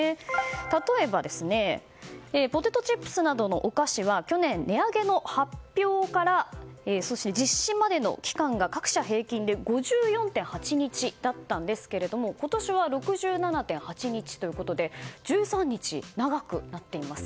例えば、ポテトチップスなどのお菓子は去年、値上げの発表から実施までの期間が各社平均で５４．８日だったんですが今年は６７．８日ということで１３日長くなっています。